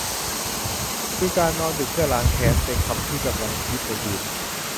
คือ "การนอนดึกเพื่อล้างแค้น" เป็นคำที่กำลังฮิตในจีน